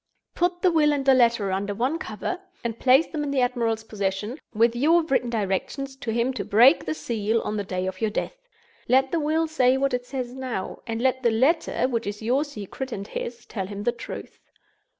Put the will and the letter under one cover, and place them in the admiral's possession, with your written directions to him to break the seal on the day of your death. Let the will say what it says now; and let the letter (which is your secret and his) tell him the truth.